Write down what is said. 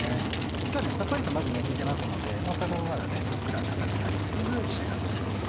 今日はさっぱりと煮てますのでさばもふっくら硬くなり過ぎず仕上がっております。